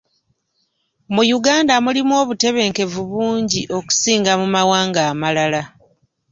Mu Uganda mulimu obutebenkevu bungi okusinga mu mawanga amalala.